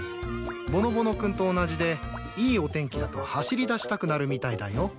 ぼのぼの君と同じでいいお天気だと走りだしたくなるみたいだよ。